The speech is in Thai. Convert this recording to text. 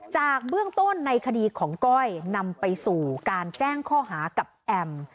จากเบื้องต้นในคดีของก้อยนำไปสู่การแจ้งข้อหากับแอม